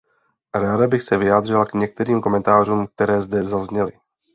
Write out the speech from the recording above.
Ráda bych se vyjádřila k některým komentářům, které zde zazněly.